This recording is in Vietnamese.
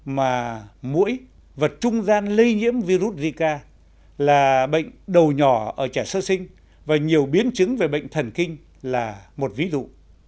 mà mũi vật trung gian lây nhiễm virus zika là bệnh đầu nhỏ ở trẻ sơ sinh và nhiều biến chứng về bệnh thần kinh là một ví dụ